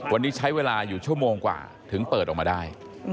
วันนี้ใช้เวลาอยู่ชั่วโมงกว่าถึงเปิดออกมาได้